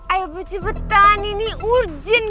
ayo cepetan ini urjin